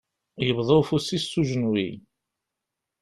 Yebḍa afus-is s ujenwi.